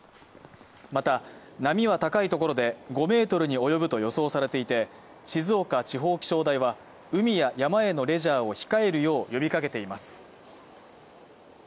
また波は高い所で５ｍに及ぶと予想されていて静岡地方気象台は、海や山へのレジャーを控えるよう呼びかけています。